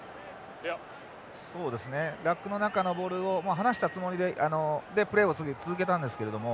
そうですねラックの中のボールを離したつもりでプレーを続けたんですけれども。